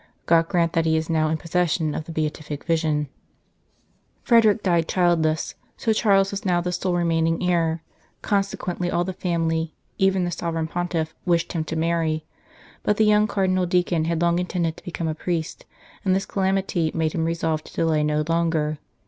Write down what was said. God grant that he is now in possession of the Beatific Vision." Frederick died childless, so Charles was now the sole remaining heir ; consequently all the family, even the Sovereign Pontiff, wished him to marry. But the young Cardinal Deacon had long intended to become a priest, and this calamity made him resolve to delay no longer.